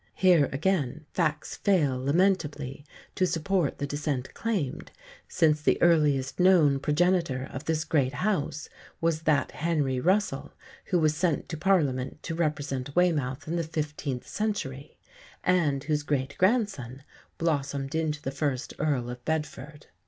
Here, again, facts fail lamentably to support the descent claimed, since the earliest known progenitor of this "great house" was that Henry Russell who was sent to Parliament to represent Weymouth in the fifteenth century, and whose great grandson blossomed into the first Earl of Bedford.